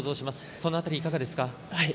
その辺りはいかがですか？